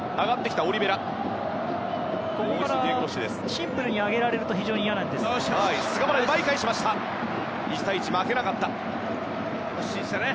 シンプルに上げられると非常に嫌でしたね。